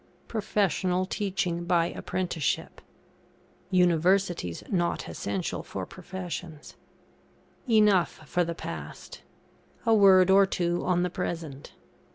[PROFESSIONAL TEACHING BY APPRENTICESHIP] UNIVERSITIES NOT ESSENTIAL FOR PROFESSIONS. Enough for the past. A word or two on the present.